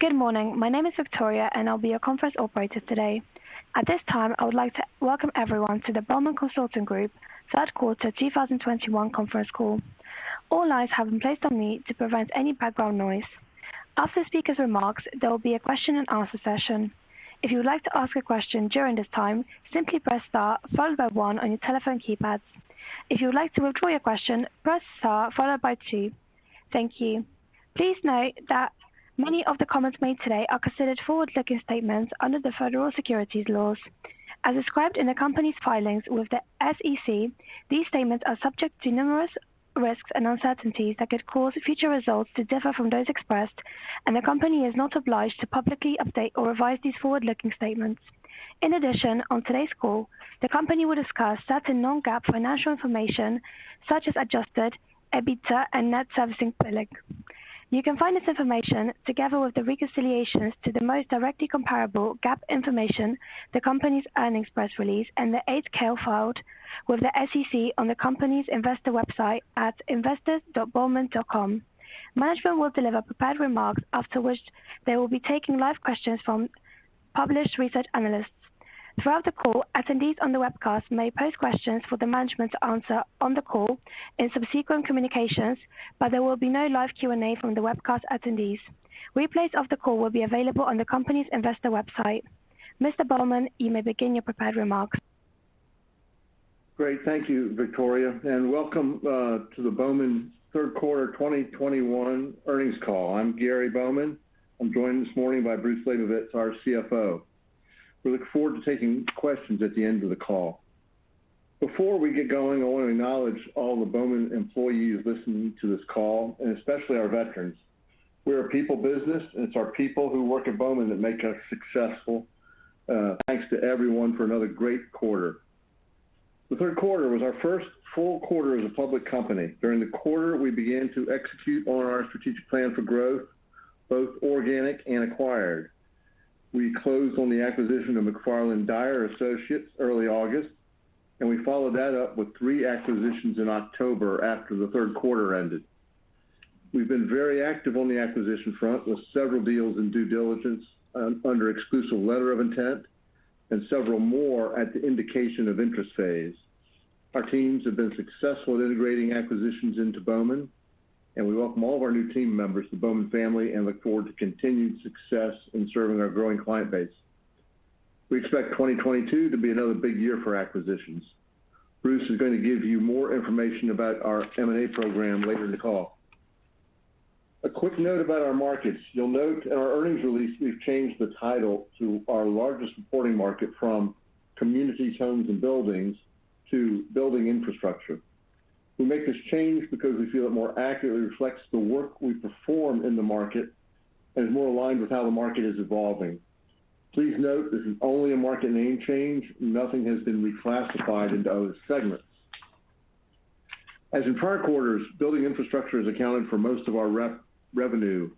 Good morning. My name is Victoria, and I'll be your conference operator today. At this time, I would like to welcome everyone to the Bowman Consulting Group third quarter 2021 conference call. All lines have been placed on mute to prevent any background noise. After the speaker's remarks, there will be a question and answer session. If you would like to ask a question during this time, simply press Star followed by one on your telephone keypads. If you would like to withdraw your question, press star followed by two. Thank you. Please note that many of the comments made today are considered forward-looking statements under the federal securities laws. As described in the company's filings with the SEC, these statements are subject to numerous risks and uncertainties that could cause future results to differ from those expressed, and the company is not obliged to publicly update or revise these forward-looking statements. In addition, on today's call, the company will discuss certain non-GAAP financial information such as adjusted EBITDA and net service billing. You can find this information together with the reconciliations to the most directly comparable GAAP information, the company's earnings press release, and the 8-K filed with the SEC on the company's investor website at investors.bowman.com. Management will deliver prepared remarks, after which they will be taking live questions from published research analysts. Throughout the call, attendees on the webcast may pose questions for the management to answer on the call in subsequent communications, but there will be no live Q&A from the webcast attendees. Replays of the call will be available on the company's investor website. Mr. Bowman, you may begin your prepared remarks. Great. Thank you, Victoria, and welcome to the Bowman third quarter 2021 earnings call. I'm Gary Bowman. I'm joined this morning by Bruce Labovitz, our CFO. We look forward to taking questions at the end of the call. Before we get going, I want to acknowledge all the Bowman employees listening to this call, and especially our veterans. We're a people business, and it's our people who work at Bowman that make us successful. Thanks to everyone for another great quarter. The third quarter was our first full quarter as a public company. During the quarter, we began to execute on our strategic plan for growth, both organic and acquired. We closed on the acquisition of McFarland-Dyer & Associates early August, and we followed that up with three acquisitions in October after the third quarter ended. We've been very active on the acquisition front with several deals in due diligence under exclusive letter of intent and several more at the indication of interest phase. Our teams have been successful at integrating acquisitions into Bowman, and we welcome all of our new team members to the Bowman family and look forward to continued success in serving our growing client base. We expect 2022 to be another big year for acquisitions. Bruce is going to give you more information about our M&A program later in the call. A quick note about our markets. You'll note in our earnings release, we've changed the title to our largest supporting market from communities, homes, and buildings to building infrastructure. We make this change because we feel it more accurately reflects the work we perform in the market and is more aligned with how the market is evolving. Please note this is only a market name change. Nothing has been reclassified into other segments. As in prior quarters, building infrastructure has accounted for most of our revenue,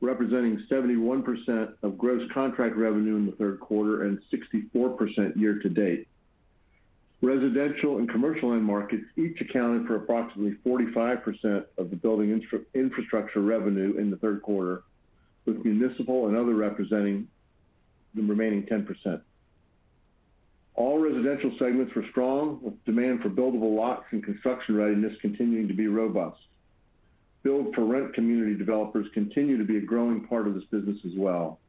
representing 71% of gross contract revenue in the third quarter and 64% year to date. Residential and commercial end markets each accounted for approximately 45% of the building infrastructure revenue in the third quarter, with municipal and other representing the remaining 10%. All residential segments were strong, with demand for buildable lots and construction readiness continuing to be robust. Build-for-rent community developers continue to be a growing part of this business as well.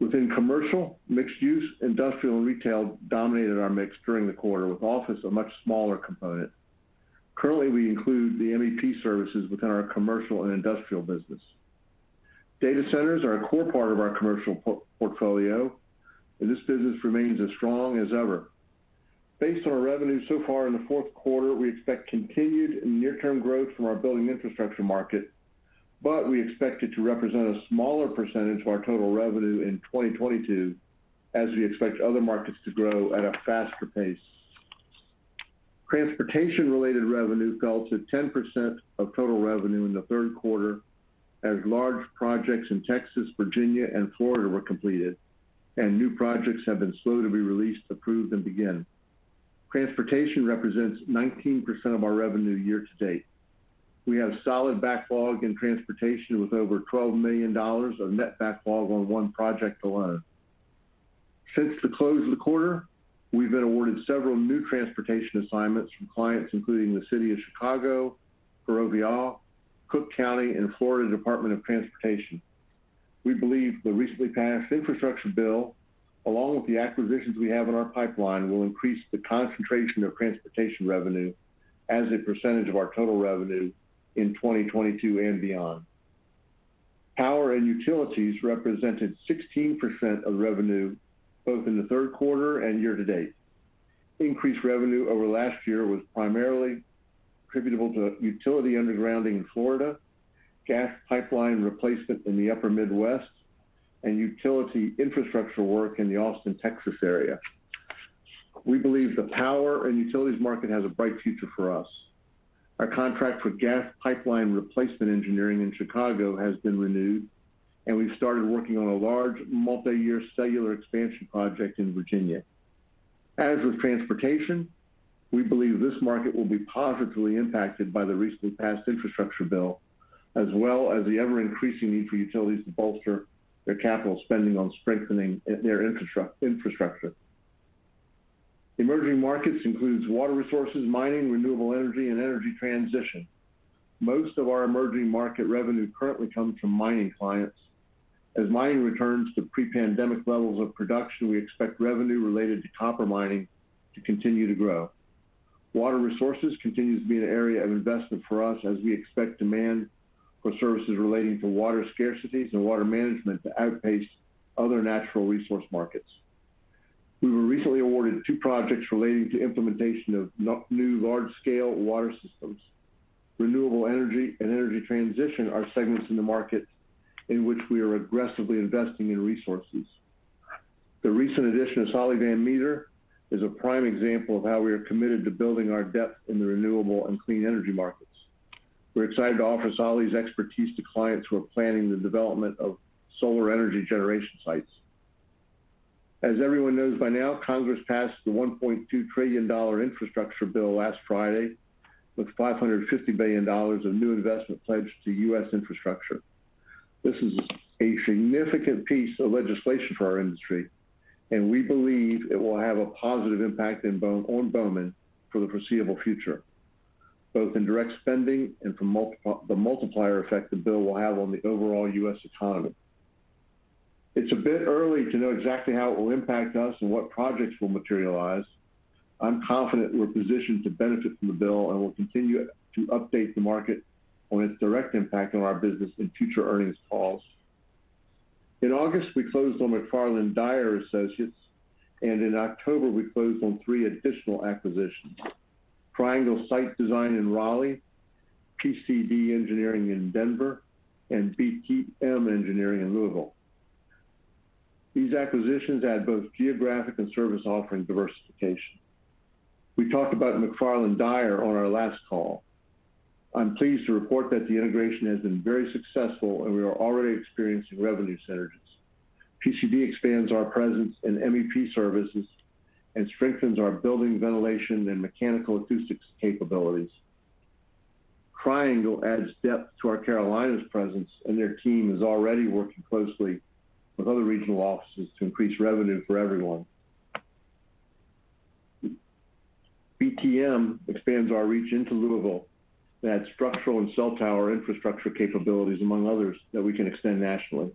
Within commercial, mixed use, industrial, and retail dominated our mix during the quarter, with office a much smaller component. Currently, we include the MEP services within our commercial and industrial business. Data centers are a core part of our commercial portfolio, and this business remains as strong as ever. Based on our revenue so far in the fourth quarter, we expect continued near-term growth from our Building Infrastructure market, but we expect it to represent a smaller percentage of our total revenue in 2022 as we expect other markets to grow at a faster pace. Transportation-related revenue fell to 10% of total revenue in the third quarter as large projects in Texas, Virginia, and Florida were completed and new projects have been slow to be released, approved, and begin. Transportation represents 19% of our revenue year to date. We have solid backlog in Transportation with over $12 million of net backlog on one project alone. Since the close of the quarter, we've been awarded several new transportation assignments from clients including the City of Chicago, Ferrovial, Cook County, and Florida Department of Transportation. We believe the recently passed infrastructure bill, along with the acquisitions we have in our pipeline, will increase the concentration of transportation revenue as a percentage of our total revenue in 2022 and beyond. Power and utilities represented 16% of revenue both in the third quarter and year to date. Increased revenue over last year was primarily attributable to utility undergrounding in Florida, gas pipeline replacement in the upper Midwest, and utility infrastructure work in the Austin, Texas area. We believe the power and utilities market has a bright future for us. Our contract for gas pipeline replacement engineering in Chicago has been renewed, and we've started working on a large multi-year cellular expansion project in Virginia. As with transportation, we believe this market will be positively impacted by the recently passed infrastructure bill, as well as the ever-increasing need for utilities to bolster their capital spending on strengthening their infrastructure. Emerging markets includes water resources, mining, renewable energy, and energy transition. Most of our emerging market revenue currently comes from mining clients. As mining returns to pre-pandemic levels of production, we expect revenue related to copper mining to continue to grow. Water resources continues to be an area of investment for us as we expect demand for services relating to water scarcities and water management to outpace other natural resource markets. We were recently awarded two projects relating to implementation of new large-scale water systems. Renewable energy and energy transition are segments in the market in which we are aggressively investing in resources. The recent addition of Solly Van Meter is a prime example of how we are committed to building our depth in the renewable and clean energy markets. We're excited to offer Solly's expertise to clients who are planning the development of solar energy generation sites. As everyone knows by now, Congress passed the $1.2 trillion infrastructure bill last Friday, with $550 billion of new investment pledged to U.S. infrastructure. This is a significant piece of legislation for our industry, and we believe it will have a positive impact in Bowman for the foreseeable future, both in direct spending and from the multiplier effect the bill will have on the overall U.S. economy. It's a bit early to know exactly how it will impact us and what projects will materialize. I'm confident we're positioned to benefit from the bill and will continue to update the market on its direct impact on our business in future earnings calls. In August, we closed on McFarland-Dyer & Associates, and in October, we closed on three additional acquisitions. Triangle Site Design in Raleigh, PCD Engineering in Denver, and BTM Engineering in Louisville. These acquisitions add both geographic and service offering diversification. We talked about McFarland-Dyer on our last call. I'm pleased to report that the integration has been very successful, and we are already experiencing revenue synergies. PCD expands our presence in MEP services and strengthens our building ventilation and mechanical acoustics capabilities. Triangle adds depth to our Carolinas presence, and their team is already working closely with other regional offices to increase revenue for everyone. BTM expands our reach into Louisville to add structural and cellular infrastructure capabilities among others that we can extend nationally.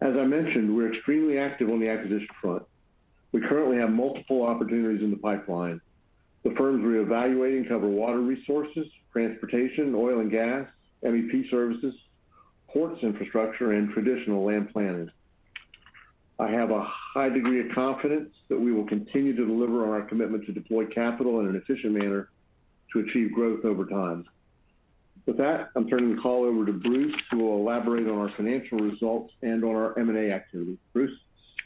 As I mentioned, we're extremely active on the acquisition front. We currently have multiple opportunities in the pipeline. The firms we're evaluating cover water resources, transportation, oil and gas, MEP services, ports infrastructure, and traditional land planning. I have a high degree of confidence that we will continue to deliver on our commitment to deploy capital in an efficient manner to achieve growth over time. With that, I'm turning the call over to Bruce, who will elaborate on our financial results and on our M&A activity. Bruce?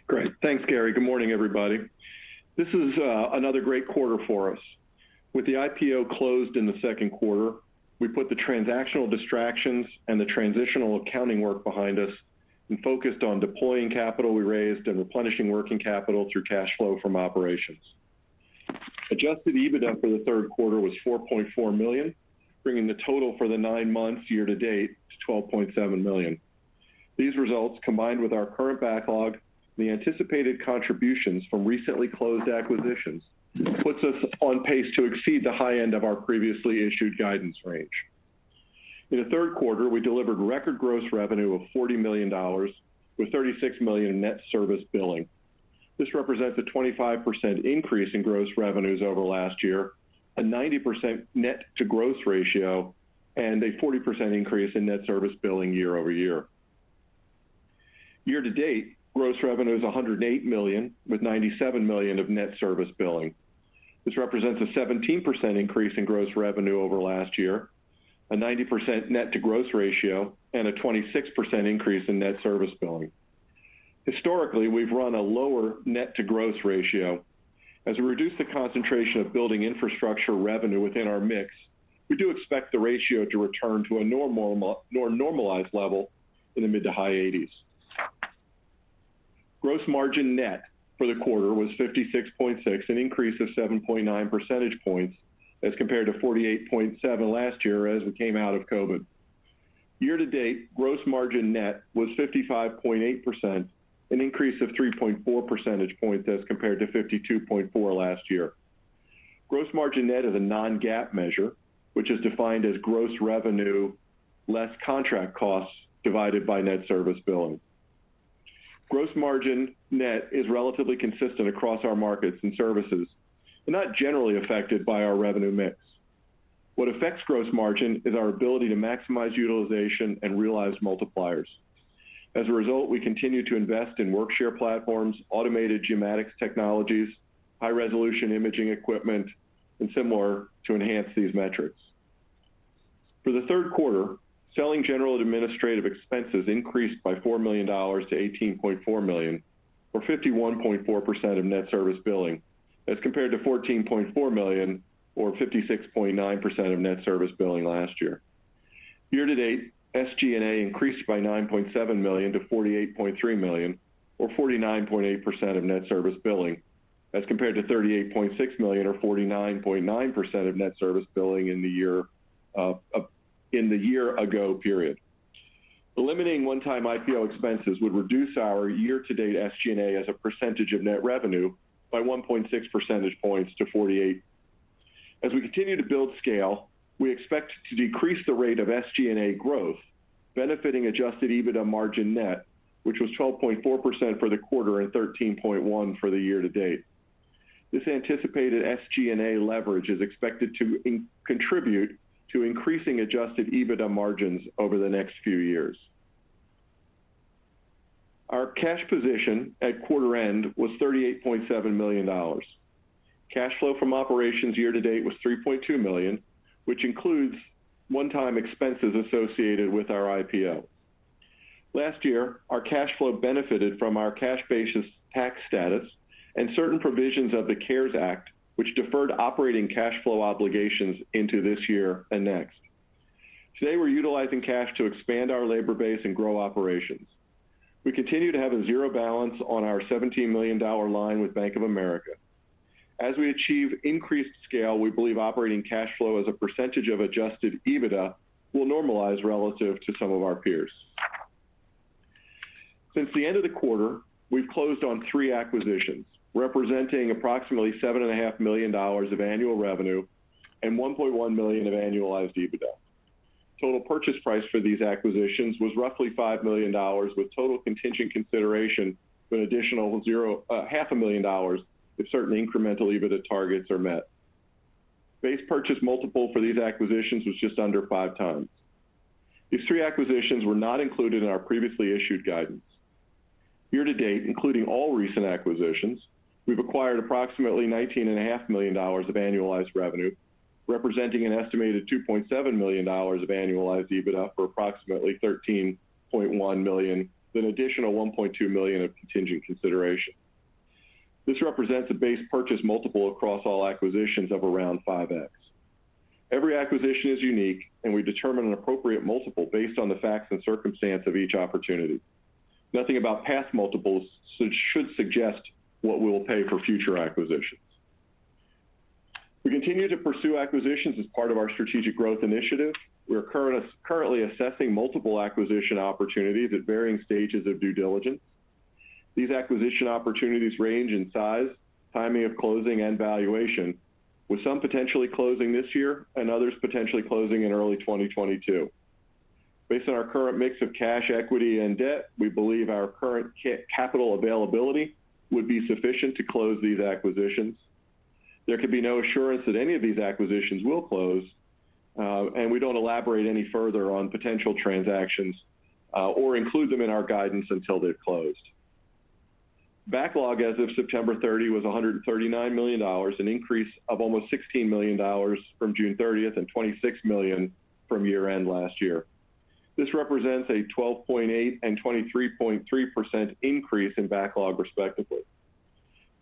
Great. Thanks, Gary. Good morning, everybody. This is another great quarter for us. With the IPO closed in the second quarter, we put the transactional distractions and the transitional accounting work behind us and focused on deploying capital we raised and replenishing working capital through cash flow from operations. Adjusted EBITDA for the third quarter was $4.4 million, bringing the total for the nine months year to date to $12.7 million. These results, combined with our current backlog, the anticipated contributions from recently closed acquisitions, puts us on pace to exceed the high end of our previously issued guidance range. In the third quarter, we delivered record gross revenue of $40 million, with $36 million in Net Service Billing. This represents a 25% increase in gross revenues over last year, a 90% net-to-gross ratio, and a 40% increase in net service billing year-over-year. Year-to-date, gross revenue is $108 million, with $97 million of net service billing. This represents a 17% increase in gross revenue over last year, a 90% net-to-gross ratio, and a 26% increase in net service billing. Historically, we've run a lower net-to-gross ratio. As we reduce the concentration of building infrastructure revenue within our mix, we do expect the ratio to return to a normal normalized level in the mid- to high 80s. Gross margin net for the quarter was 56.6, an increase of 7.9 percentage points as compared to 48.7 last year as we came out of COVID. Year to date, gross margin net was 55.8%, an increase of 3.4 percentage points as compared to 52.4% last year. Gross margin net is a non-GAAP measure, which is defined as gross revenue less contract costs divided by net service billing. Gross margin net is relatively consistent across our markets and services, but not generally affected by our revenue mix. What affects gross margin is our ability to maximize utilization and realize multipliers. As a result, we continue to invest in work share platforms, automated geomatics technologies, high-resolution imaging equipment, and similar to enhance these metrics. For the third quarter, selling, general, and administrative expenses increased by $4 million to $18.4 million, or 51.4% of net service billing, as compared to $14.4 million, or 56.9% of net service billing last year. Year-to-date, SG&A increased by $9.7 million to $48.3 million or 49.8% of net service billing, as compared to $38.6 million or 49.9% of net service billing in the year ago period. Eliminating one-time IPO expenses would reduce our year-to-date SG&A as a percentage of net revenue by 1.6 percentage points to 48%. As we continue to build scale, we expect to decrease the rate of SG&A growth, benefiting adjusted EBITDA margin net, which was 12.4% for the quarter and 13.1% for the year-to-date. This anticipated SG&A leverage is expected to contribute to increasing adjusted EBITDA margins over the next few years. Our cash position at quarter end was $38.7 million. Cash flow from operations year-to-date was $3.2 million, which includes one-time expenses associated with our IPO. Last year, our cash flow benefited from our cash basis tax status and certain provisions of the CARES Act, which deferred operating cash flow obligations into this year and next. Today, we're utilizing cash to expand our labor base and grow operations. We continue to have a zero balance on our $17 million line with Bank of America. As we achieve increased scale, we believe operating cash flow as a percentage of adjusted EBITDA will normalize relative to some of our peers. Since the end of the quarter, we've closed on three acquisitions, representing approximately $7.5 million of annual revenue and $1.1 million of annualized EBITDA. Total purchase price for these acquisitions was roughly $5 million, with total contingent consideration of an additional $0.5 million if certain incremental EBITDA targets are met. Base purchase multiple for these acquisitions was just under 5x. These three acquisitions were not included in our previously issued guidance. Year-to-date, including all recent acquisitions, we've acquired approximately $19.5 million of annualized revenue, representing an estimated $2.7 million of annualized EBITDA for approximately $13.1 million, with an additional $1.2 million of contingent consideration. This represents a base purchase multiple across all acquisitions of around 5x. Every acquisition is unique, and we determine an appropriate multiple based on the facts and circumstance of each opportunity. Nothing about past multiples should suggest what we will pay for future acquisitions. We continue to pursue acquisitions as part of our strategic growth initiative. We are currently assessing multiple acquisition opportunities at varying stages of due diligence. These acquisition opportunities range in size, timing of closing, and valuation, with some potentially closing this year and others potentially closing in early 2022. Based on our current mix of cash, equity, and debt, we believe our current capital availability would be sufficient to close these acquisitions. There can be no assurance that any of these acquisitions will close, and we don't elaborate any further on potential transactions or include them in our guidance until they've closed. Backlog as of September 30 was $139 million, an increase of almost $16 million from June 30th and $26 million from year-end last year. This represents a 12.8% and 23.3% increase in backlog respectively.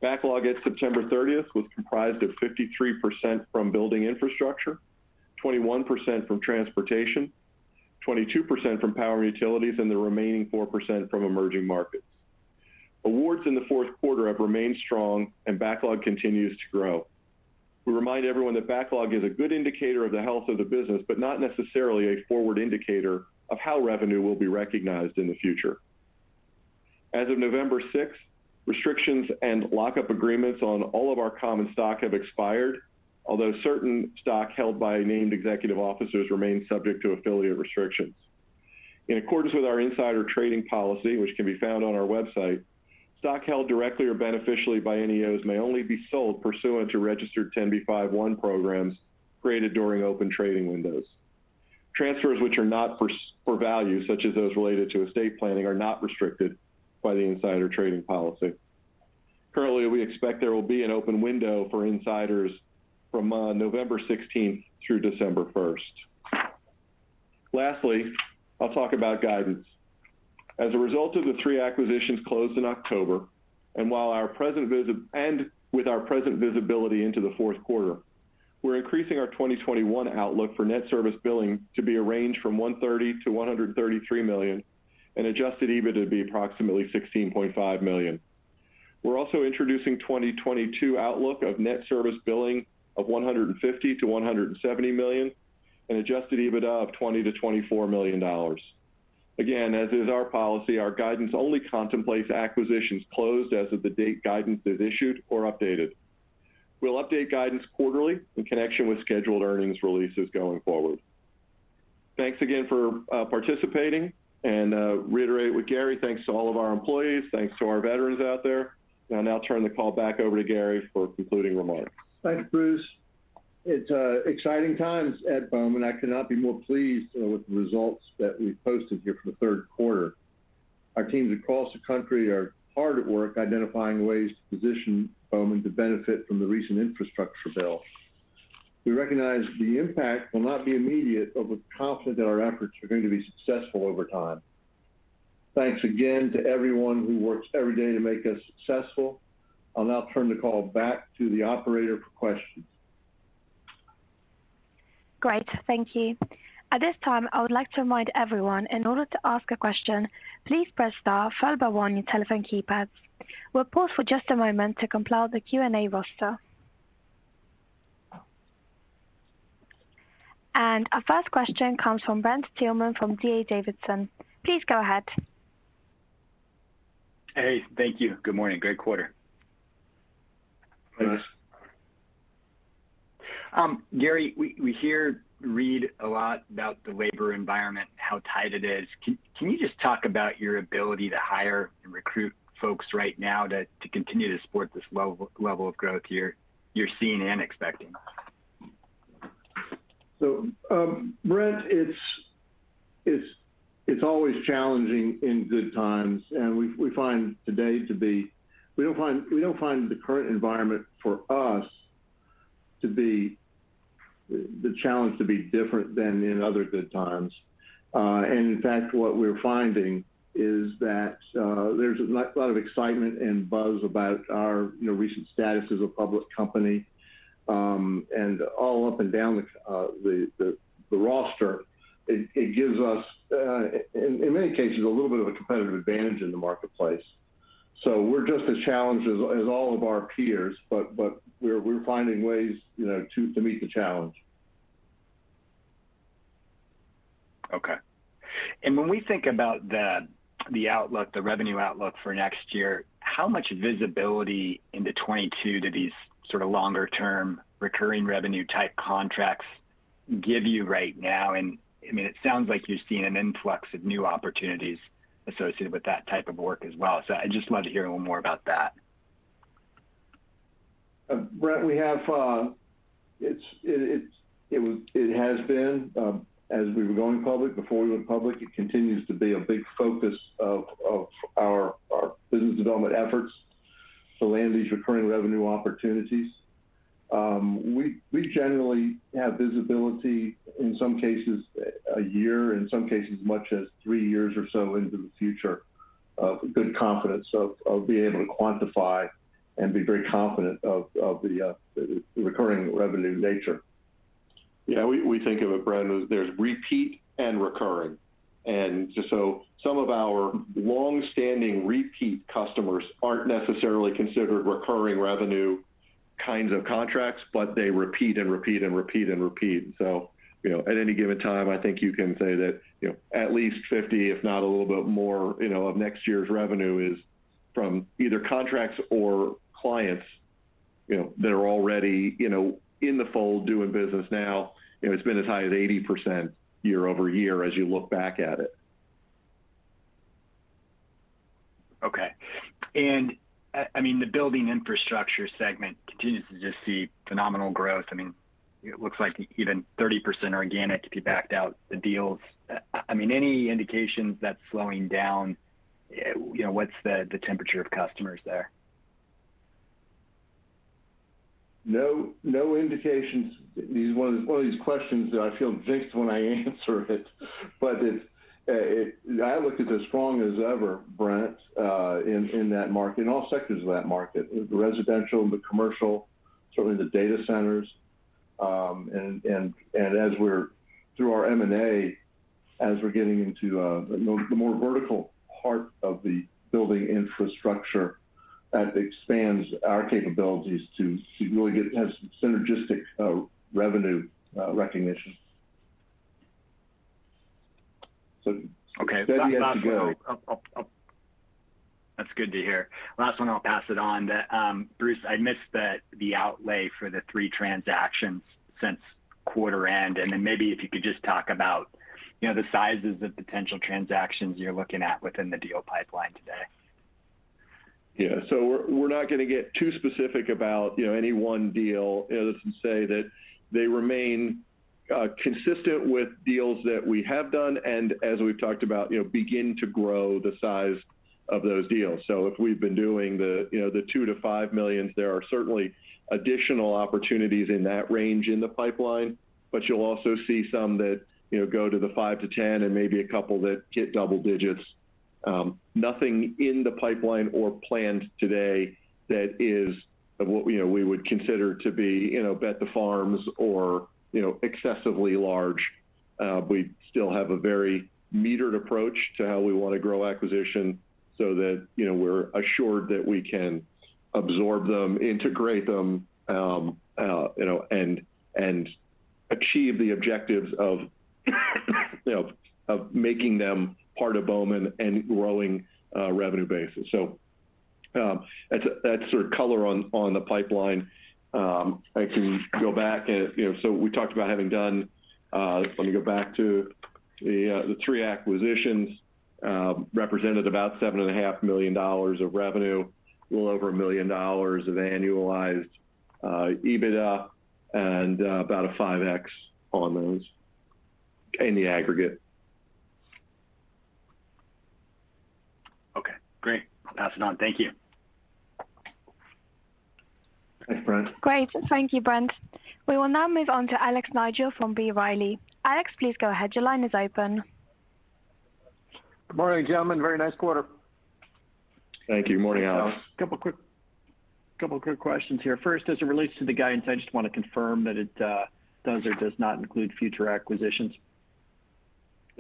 Backlog at September 30th was comprised of 53% from building infrastructure, 21% from transportation, 22% from power and utilities, and the remaining 4% from emerging markets. Awards in the fourth quarter have remained strong and backlog continues to grow. We remind everyone that backlog is a good indicator of the health of the business, but not necessarily a forward indicator of how revenue will be recognized in the future. As of November 6th, restrictions and lock-up agreements on all of our common stock have expired, although certain stock held by Named Executive Officers remain subject to affiliate restrictions. In accordance with our insider trading policy, which can be found on our website, stock held directly or beneficially by NEOs may only be sold pursuant to registered 10b5-1 programs created during open trading windows. Transfers which are not for value, such as those related to estate planning, are not restricted by the insider trading policy. Currently, we expect there will be an open window for insiders from November 16th to December 1st. Lastly, I'll talk about guidance. As a result of the three acquisitions closed in October, and with our present visibility into the fourth quarter, we're increasing our 2021 outlook for Net Service Billing to be a range from $130 million-$133 million, and adjusted EBITDA to be approximately $16.5 million. We're also introducing 2022 outlook of Net Service Billing of $150 million-$170 million and adjusted EBITDA of $20 million-$24 million. Again, as is our policy, our guidance only contemplates acquisitions closed as of the date guidance is issued or updated. We'll update guidance quarterly in connection with scheduled earnings releases going forward. Thanks again for participating, and reiterate with Gary, thanks to all of our employees, thanks to our veterans out there. I'll now turn the call back over to Gary for concluding remarks. Thanks, Bruce. It's exciting times at Bowman. I could not be more pleased with the results that we've posted here for the third quarter. Our teams across the country are hard at work identifying ways to position Bowman to benefit from the recent infrastructure bill. We recognize the impact will not be immediate, but we're confident that our efforts are going to be successful over time. Thanks again to everyone who works every day to make us successful. I'll now turn the call back to the operator for questions. Great. Thank you. At this time, I would like to remind everyone, in order to ask a question, please press star followed by one on your telephone keypads. We'll pause for just a moment to compile the Q&A roster. Our first question comes from Brent Thielman from D.A. Davidson. Please go ahead. Hey, thank you. Good morning. Great quarter. Thanks. Gary, we hear and read a lot about the labor environment, how tight it is. Can you just talk about your ability to hire and recruit folks right now to continue to support this level of growth here you're seeing and expecting? Brent, it's always challenging in good times. We don't find the current environment for us to be the challenge to be different than in other good times. In fact, what we're finding is that there's a lot of excitement and buzz about our, you know, recent status as a public company, and all up and down the roster. It gives us in many cases a little bit of a competitive advantage in the marketplace. We're just as challenged as all of our peers, but we're finding ways, you know, to meet the challenge. Okay. When we think about the outlook, the revenue outlook for next year, how much visibility into 2022 do these sort of longer-term recurring revenue type contracts give you right now? I mean, it sounds like you're seeing an influx of new opportunities associated with that type of work as well. I just wanted to hear a little more about that. Brent, it has been, as we were going public, before we went public, it continues to be a big focus of our business development efforts to land these recurring revenue opportunities. We generally have visibility, in some cases a year, in some cases as much as three years or so into the future of good confidence of being able to quantify and be very confident of the recurring revenue nature. Yeah, we think of it, Brent, as there's repeat and recurring. Just so some of our long-standing repeat customers aren't necessarily considered recurring revenue kinds of contracts, but they repeat and repeat and repeat and repeat. You know, at any given time, I think you can say that, you know, at least 50, if not a little bit more, you know, of next year's revenue is from either contracts or clients, you know, that are already, you know, in the fold doing business now. You know, it's been as high as 80% year-over-year as you look back at it. Okay. I mean, the building infrastructure segment continues to just see phenomenal growth. I mean, it looks like even 30% organic if you backed out the deals. I mean, any indications that's slowing down? You know, what's the temperature of customers there? No indications. One of these questions that I feel jinxed when I answer it. It's I look at it as strong as ever, Brent, in that market, in all sectors of that market, in the residential, the commercial, certainly the data centers. As we're through our M&A, as we're getting into the more vertical part of the building infrastructure, that expands our capabilities to really have some synergistic revenue recognition. Okay. Steady as go. I'll. That's good to hear. Last one, I'll pass it on. Bruce, I missed the outlay for the three transactions since quarter end. Maybe if you could just talk about, you know, the sizes of potential transactions you're looking at within the deal pipeline today. We're not gonna get too specific about, you know, any one deal other than say that they remain consistent with deals that we have done and as we've talked about, you know, begin to grow the size of those deals. If we've been doing the, you know, the $2 million-$5 million, there are certainly additional opportunities in that range in the pipeline. You'll also see some that, you know, go to the $5 million-$10 million and maybe a couple that hit double digits. Nothing in the pipeline or planned today that is of what, you know, we would consider to be, you know, bet the farms or, you know, excessively large. We still have a very metered approach to how we wanna grow acquisition so that, you know, we're assured that we can absorb them, integrate them, you know, and achieve the objectives of, you know, of making them part of Bowman and growing revenue basis. That's sort of color on the pipeline. We talked about having done the three acquisitions represented about $7.5 million of revenue, a little over $1 million of annualized EBITDA and about a 5x on those in the aggregate. Okay, great. Passing on. Thank you. Great. Thank you, Brent. We will now move on to Alex Rygiel from B. Riley. Alex, please go ahead. Your line is open. Good morning, gentlemen. Very nice quarter. Thank you. Morning, Alex. Couple quick questions here. First, as it relates to the guidance, I just wanna confirm that it does or does not include future acquisitions?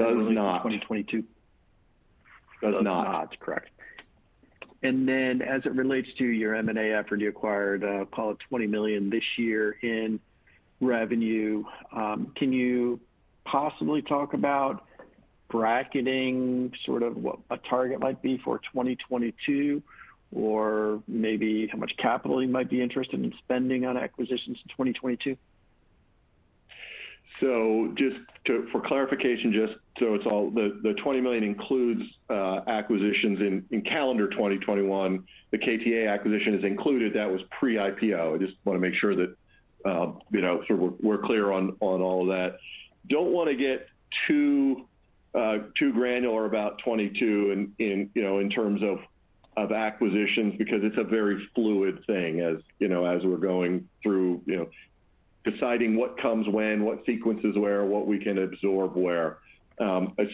Does not. 2022. Does not. Does not, correct. As it relates to your M&A effort, you acquired, call it $20 million this year in revenue. Can you possibly talk about bracketing sort of what a target might be for 2022? Or maybe how much capital you might be interested in spending on acquisitions in 2022? For clarification, just so it's all clear. The $20 million includes acquisitions in calendar 2021. The KTA acquisition is included. That was pre-IPO. I just want to make sure that you know, sort of we're clear on all that. Don't want to get too granular about 2022 in terms of acquisitions because it's a very fluid thing as you know, as we're going through you know, deciding what comes when, what sequences where, what we can absorb where.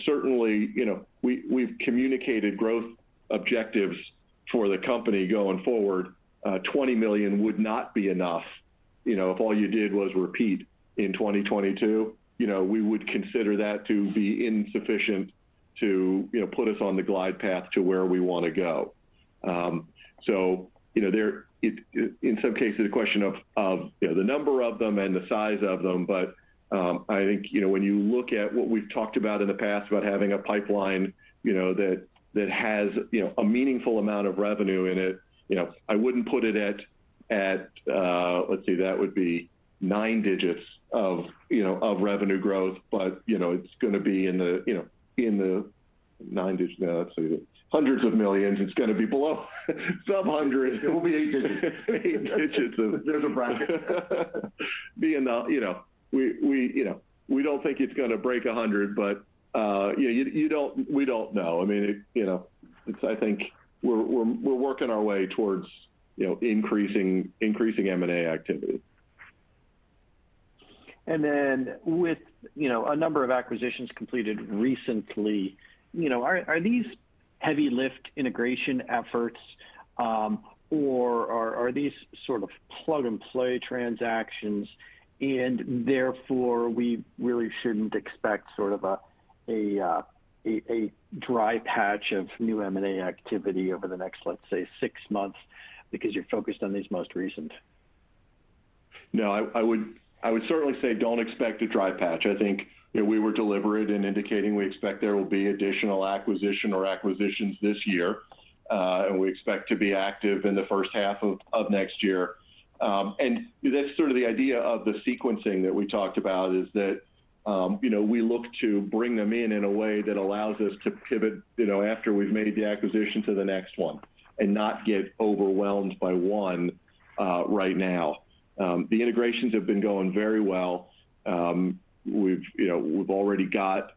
Certainly, you know, we've communicated growth objectives for the company going forward. $20 million would not be enough, you know, if all you did was repeat in 2022. You know, we would consider that to be insufficient to you know, put us on the glide path to where we want to go. In some cases, a question of, you know, the number of them and the size of them. I think, you know, when you look at what we've talked about in the past about having a pipeline, you know, that has, you know, a meaningful amount of revenue in it. You know, I wouldn't put it at, let's see, that would be nine digits of, you know, revenue growth. You know, it's gonna be in the, you know, in the nine digits. No. Let's see. Hundreds of millions. It's gonna be below sub hundred. It will be eight digits. Eight digits of- There's a bracket. Be enough. You know, we don't think it's gonna break 100, but we don't know. I mean, it. You know? It's I think we're working our way towards, you know, increasing M&A activity. With, you know, a number of acquisitions completed recently, you know, are these heavy lift integration efforts or are these sort of plug and play transactions and therefore we really shouldn't expect sort of a dry patch of new M&A activity over the next, let's say, six months because you're focused on these most recent? No. I would certainly say don't expect a dry patch. I think, you know, we were deliberate in indicating we expect there will be additional acquisition or acquisitions this year, and we expect to be active in the first half of next year. That's sort of the idea of the sequencing that we talked about is that, you know, we look to bring them in in a way that allows us to pivot, you know, after we've made the acquisition to the next one and not get overwhelmed by one, right now. The integrations have been going very well. We've, you know, already got.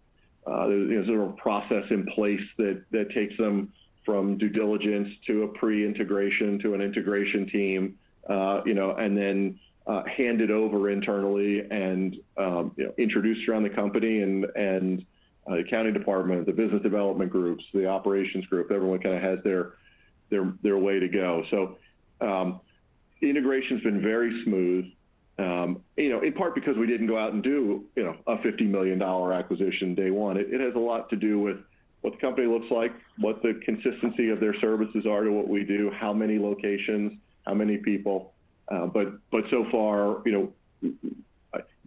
There's a process in place that takes them from due diligence to a pre-integration to an integration team, you know, and then hand it over internally and introduce around the company and the accounting department, the business development groups, the operations group. Everyone kinda has their way to go. Integration's been very smooth, you know, in part because we didn't go out and do, you know, a $50 million acquisition day one. It has a lot to do with what the company looks like, what the consistency of their services are to what we do, how many locations, how many people. But so far, you know,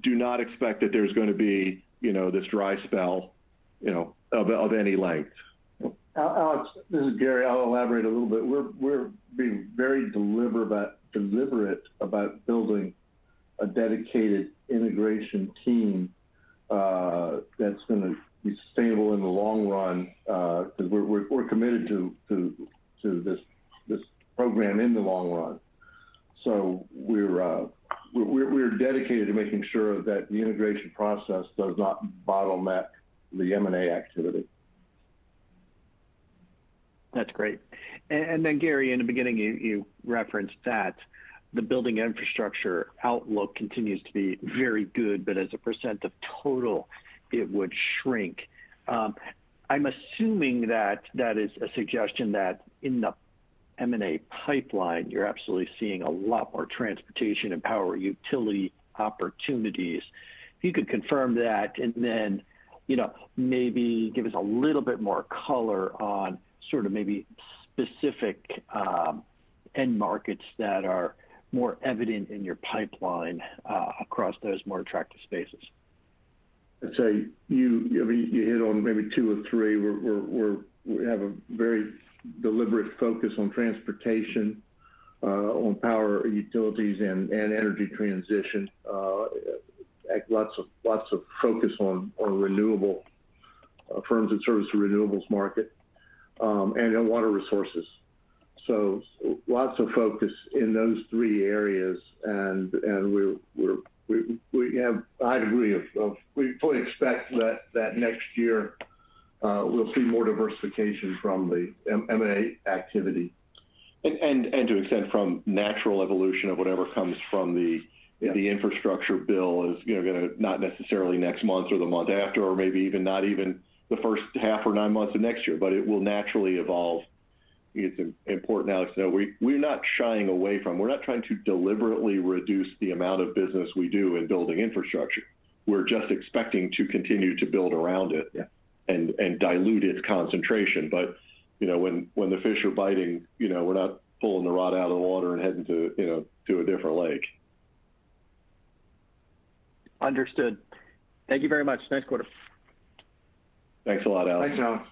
do not expect that there's gonna be, you know, this dry spell, you know, of any length. Alex, this is Gary. I'll elaborate a little bit. We're being very deliberate about building a dedicated integration team that's gonna be sustainable in the long run because we're committed to this program in the long run. We're dedicated to making sure that the integration process does not bottleneck the M&A activity. That's great. Gary, in the beginning, you referenced that the building infrastructure outlook continues to be very good, but as a percent of total, it would shrink. I'm assuming that is a suggestion that in the M&A pipeline, you're absolutely seeing a lot more transportation and power and utilities opportunities. If you could confirm that, and then, you know, maybe give us a little bit more color on sort of maybe specific end markets that are more evident in your pipeline across those more attractive spaces. I'd say, I mean, you hit on maybe two or three. We have a very deliberate focus on transportation, on power and utilities and energy transition. Lots of focus on renewable firms that service the renewables market, and on water resources. So lots of focus in those three areas. We fully expect that next year we'll see more diversification from the M&A activity. to the extent from natural evolution of whatever comes from the Yeah... the infrastructure bill is, you know, gonna not necessarily next month or the month after or maybe even not even the first half or nine months of next year, but it will naturally evolve. It's important, Alex, to know we're not shying away from. We're not trying to deliberately reduce the amount of business we do in Building Infrastructure. We're just expecting to continue to build around it. Yeah dilute its concentration. You know, when the fish are biting, you know, we're not pulling the rod out of the water and heading to a different lake. Understood. Thank you very much. Nice quarter. Thanks a lot, Alex. Thanks, Alex.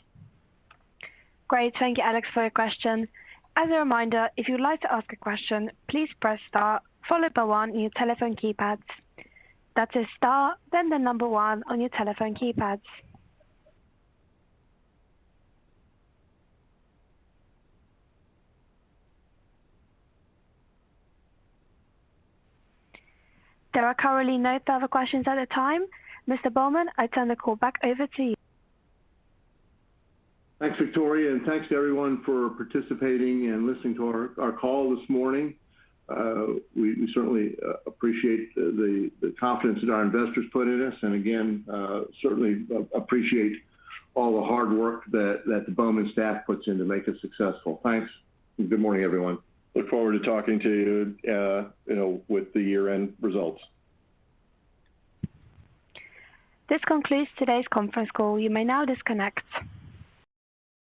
Great. Thank you, Alex, for your question. As a reminder, if you'd like to ask a question, please press star followed by one on your telephone keypads. That's a star then the number one on your telephone keypads. There are currently no further questions at this time. Mr. Bowman, I turn the call back over to you. Thanks, Victoria, and thanks to everyone for participating and listening to our call this morning. We certainly appreciate the confidence that our investors put in us. Again, we certainly appreciate all the hard work that the Bowman staff puts in to make us successful. Thanks. Good morning, everyone. look forward to talking to you know, with the year-end results. This concludes today's conference call. You may now disconnect.